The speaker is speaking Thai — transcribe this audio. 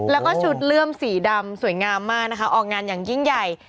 แล้วก็ชุดเลื่อมสีดำสวยงามมากนะคะออกงานอย่างยิ่งใหญ่